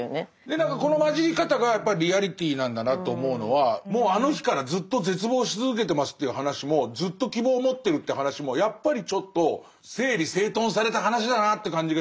何かこの混じり方がやっぱリアリティなんだなと思うのはもうあの日からずっと絶望し続けてますっていう話もずっと希望を持ってるっていう話もやっぱりちょっと整理整頓された話だなって感じがしちゃうのが。